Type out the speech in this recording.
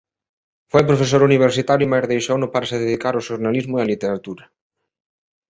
Foi profesor universitario mais deixouno para se dedicar ao xornalismo e á literatura.